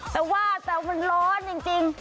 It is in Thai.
แต่ว่าแต่มันร้อนจริง